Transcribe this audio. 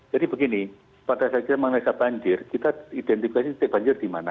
begini pada saat kita mengasah banjir kita identifikasi titik banjir di mana